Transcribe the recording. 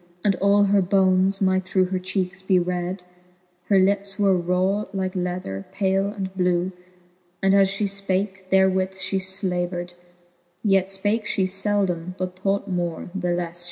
And all her bones might through her cheekes be red :. Her lips were hke raw lether, pale and blew, And as fhe fpake, therewith fhe flavered ; Yet fpake fhe feldom, but thought more, the lefle flie fed.